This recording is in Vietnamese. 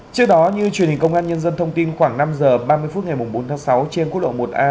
trước đó như truyền hình công an nhân dân thông tin khoảng năm h ba mươi phút ngày bốn tháng sáu trên quốc lộ một a